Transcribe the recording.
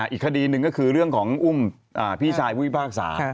อีกคดีหนึ่งก็คือเรื่องของอุ้มพี่ชายผู้พิพากษา